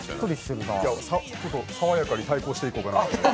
いや、ちょっと爽やかに対抗していこうかなと。